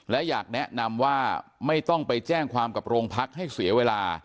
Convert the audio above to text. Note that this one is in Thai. และอยากแนะนำว่าไม่ต้องไปแจ้งความกับโรงพักให้เสียเวลา